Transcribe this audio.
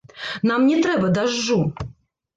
Нам не трэба дажджу!